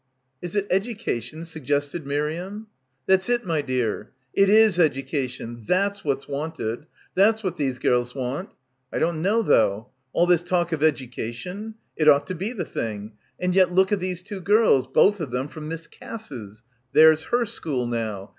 "Is it education?" suggested Miriam. "That's it, my dear. It is education. That's what's wanted. That's what these gels want. I don't know, though. All this talk of education. It ought to be the thing. And yet look at these two gels. Both of them from Miss Cass's. There's her school now.